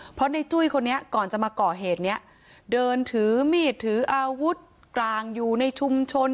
เพราะในจุ้ยคนนี้ก่อนจะมาก่อเหตุเนี้ยเดินถือมีดถืออาวุธกลางอยู่ในชุมชน